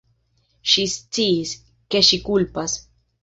Ŝi sciis, ke ŝi kulpas.